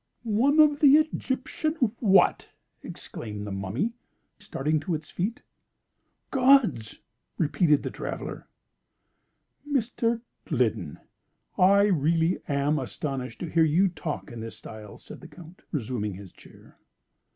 "One of the Egyptian what?" exclaimed the Mummy, starting to its feet. "Gods!" repeated the traveller. "Mr. Gliddon, I really am astonished to hear you talk in this style," said the Count, resuming his chair.